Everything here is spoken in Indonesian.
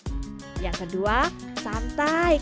kayaknya kita sudah berhenti